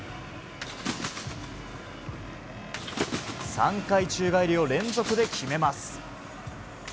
３回宙返りを連続で決めます。